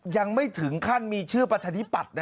ยังไม่ถึงขั้นมีชื่อประชาธิปัตย์